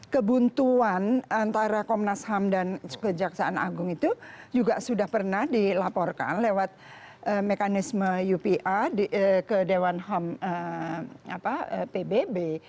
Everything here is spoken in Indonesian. kebuntuan antara komnas ham dan kejaksaan agung itu juga sudah pernah dilaporkan lewat mekanisme upa ke dewan ham pbb